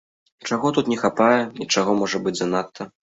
Чаго тут не хапае і чаго, можа быць, занадта?